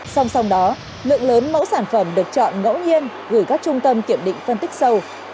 song song đó lượng lớn mẫu sản phẩm được chọn ngẫu nhiên gửi các trung tâm kiểm định phân tích sâu